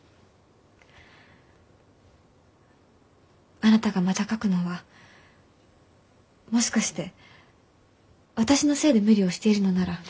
あなたがまた書くのはもしかして私のせいで無理をしているのなら。